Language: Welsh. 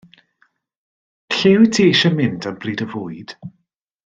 Lle wyt ti eisiau mynd am bryd o fwyd?